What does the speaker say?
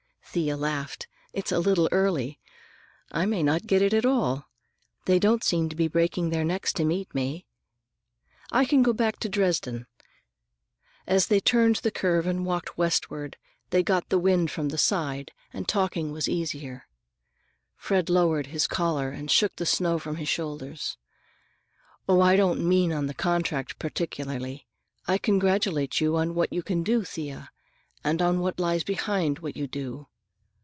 Thea laughed. "It's a little early. I may not get it at all. They don't seem to be breaking their necks to meet me. I can go back to Dresden." As they turned the curve and walked westward they got the wind from the side, and talking was easier. Fred lowered his collar and shook the snow from his shoulders. "Oh, I don't mean on the contract particularly. I congratulate you on what you can do, Thea, and on all that lies behind what you do.